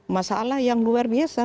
masalah yang luar biasa